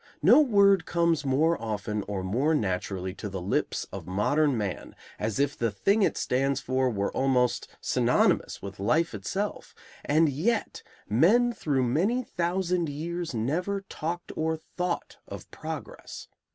No word comes more often or more naturally to the lips of modern man, as if the thing it stands for were almost synonymous with life itself, and yet men through many thousand years never talked or thought of progress.